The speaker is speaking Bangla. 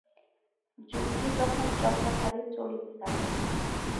যুক্তি তখন চক্রাকারে চলিতে থাকে।